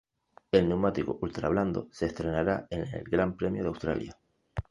El neumático ultra blando se estrenará en el Gran Premio de Australia.